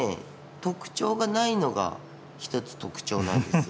特徴がないのが一つ特徴なんですよ。